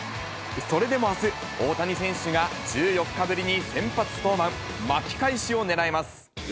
それでもあす、大谷選手が１４日ぶりに先発登板、巻き返しを狙います。